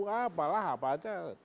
apalah apa aja